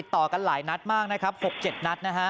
ต่อกันหลายนัดมากนะครับ๖๗นัดนะฮะ